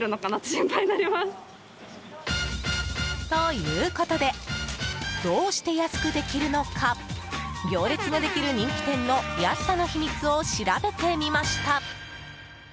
ということでどうして安くできるのか行列ができる人気店の安さの秘密を調べてみました。